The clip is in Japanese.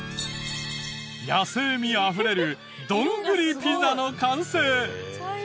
野性味あふれるドングリピザの完成！